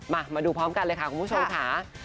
มาดูพร้อมกันเลยค่ะคุณผู้ชมค่ะ